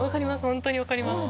本当に分かります。